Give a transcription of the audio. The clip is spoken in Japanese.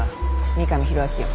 三上弘明よ。